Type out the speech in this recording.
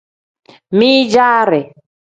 Min-jaari.